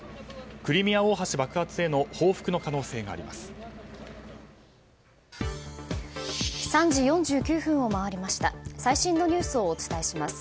クリミア大橋爆発への報復の可能性があります。